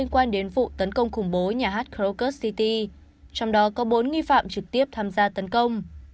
quan đến vụ tấn công khủng bố nhà hát krocus city trong đó có bốn nghi phạm trực tiếp tham gia tấn công